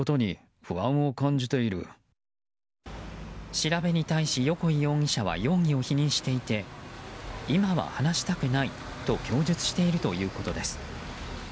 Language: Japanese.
調べに対し横井容疑者は容疑を否認していて今は話したくないと供述しているということです。